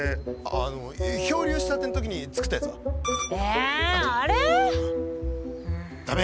あの漂流したてん時に作ったやつは？えあれ？だめ？